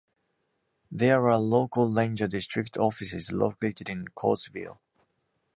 There are local ranger district offices located in Cordesville.